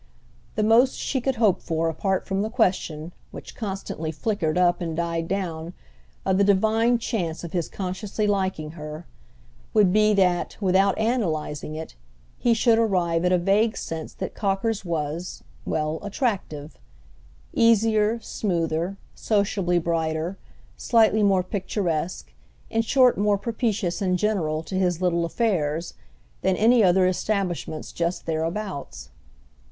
The most she could hope for apart from the question, which constantly flickered up and died down, of the divine chance of his consciously liking her, would be that, without analysing it, he should arrive at a vague sense that Cocker's was—well, attractive; easier, smoother, sociably brighter, slightly more picturesque, in short more propitious in general to his little affairs, than any other establishment just thereabouts.